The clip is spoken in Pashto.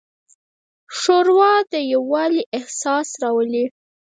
ښوروا د یووالي احساس راولي.